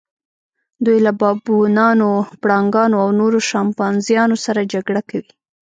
دوی له بابونانو، پړانګانو او نورو شامپانزیانو سره جګړه کوي.